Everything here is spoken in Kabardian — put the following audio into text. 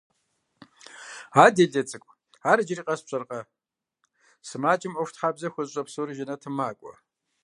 – А делэ цӀыкӀу, ар иджыри къэс пщӀэркъэ: сымаджэм Ӏуэхутхьэбзэ хуэзыщӀэ псори жэнэтым макӀуэ.